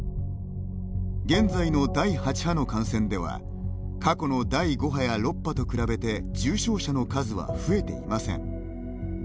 現在の第８波の感染では過去の第５波や６波と比べて重症者の数は増えていません。